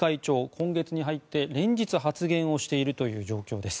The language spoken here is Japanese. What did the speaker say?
今月に入って連日発言をしているという状況です。